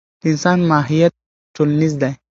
د انسان ماهیت ټولنیز دی.